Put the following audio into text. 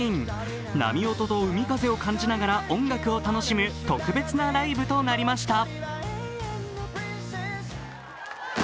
波音と海風を感じながら音楽を楽しむ特別なライブとなりました。